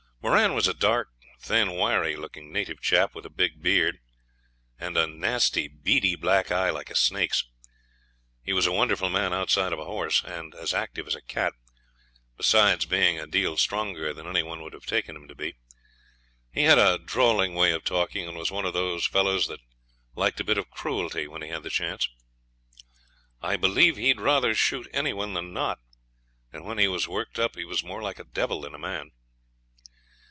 Moran was a dark, thin, wiry looking native chap, with a big beard, and a nasty beady black eye like a snake's. He was a wonderful man outside of a horse, and as active as a cat, besides being a deal stronger than any one would have taken him to be. He had a drawling way of talking, and was one of those fellows that liked a bit of cruelty when he had the chance. I believe he'd rather shoot any one than not, and when he was worked up he was more like a devil than a man.